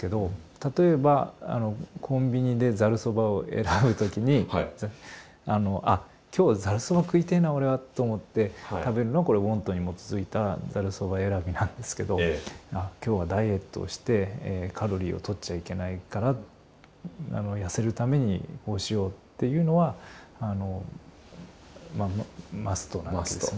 例えばコンビニでざるそばを選ぶ時に「あっ今日ざるそば食いてえな俺は」と思って食べるのはこれ「ｗａｎｔ」に基づいたざるそば選びなんですけど「あっ今日はダイエットをしてカロリーをとっちゃいけないから痩せるためにこうしよう」っていうのはあの「ｍｕｓｔ」なわけですよね。